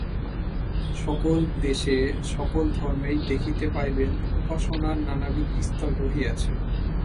সকল দেশে সকল ধর্মেই দেখিতে পাইবেন, উপাসনার নানাবিধ স্তর রহিয়াছে।